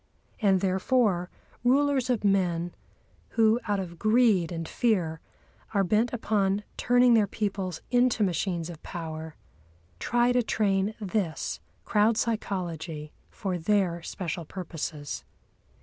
And therefore rulers of men, who, out of greed and fear, are bent upon turning their peoples into machines of power, try to train this crowd psychology for their special purposes.